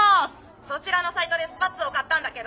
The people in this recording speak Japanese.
☎そちらのサイトでスパッツを買ったんだけど。